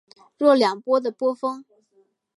若两波的波峰。